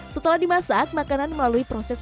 setelah dimasak makanan melalui proses